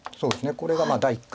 これが第一感。